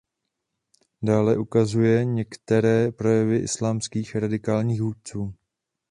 Dále ukazuje některé projevy islámských radikálních vůdců.